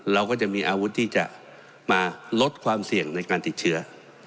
เราก็จะมีอาวุธที่จะมาลดความเสี่ยงในการติดเชื้อ